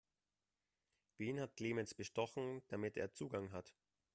Wen hat Clemens bestochen, damit er Zugang hat?